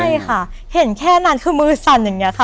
ใช่ค่ะเห็นแค่นั้นคือมือสั่นอย่างนี้ค่ะ